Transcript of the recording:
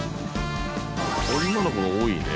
女の子が多いね。